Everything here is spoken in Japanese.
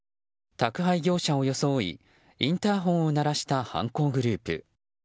宅配業者を装いインターホンを鳴らした犯行グループ。